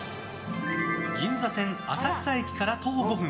銀座線浅草駅から徒歩５分。